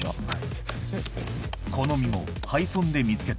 はい。